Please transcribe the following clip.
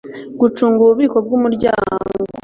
gucunga ububiko bw umuryango